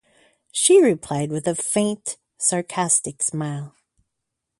She replied with a faint, sarcastic smile.